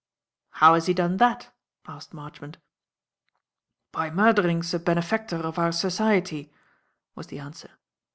"How has he done that?" asked Marchmont. "By murdering ze benefactor of our zoziety," was the answer.